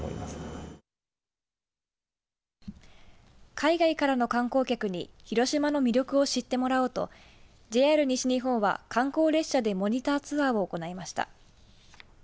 海外からの観光客に広島の魅力を知ってもらおうとＪＲ西日本は観光列車でモニターツアーを行いました。